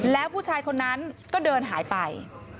แล้วผู้ชายคนนั้นก็เดินหายไป